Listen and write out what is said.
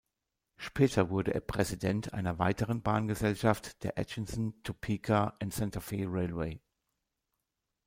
Später wurde er Präsident einer weiteren Bahngesellschaft, der Atchison, Topeka and Santa Fe Railway.